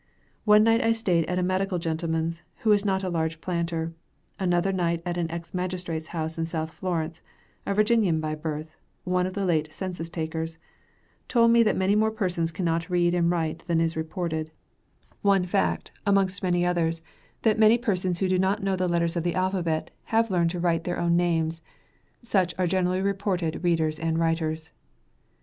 One night I stayed at a medical gentleman's, who is not a large planter; another night at an ex magistrate's house in South Florence a Virginian by birth one of the late census takers; told me that many more persons cannot read and write than is reported; one fact, amongst many others, that many persons who do not know the letters of the alphabet, have learned to write their own names; such are generally reported readers and writers.